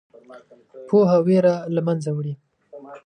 پوهه ویره له منځه وړي.